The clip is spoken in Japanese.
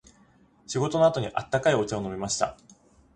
仕事の後に温かいお茶を飲みました。